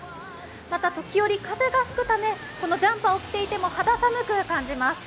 また時折風が吹くため、ジャンパーを着ていても寒く感じます。